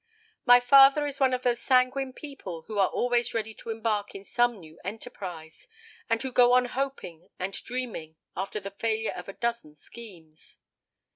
My father is one of those sanguine people who are always ready to embark in some new enterprise, and who go on hoping and dreaming, after the failure of a dozen schemes.